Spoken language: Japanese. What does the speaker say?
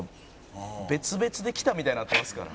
「別々で来たみたいになってますから」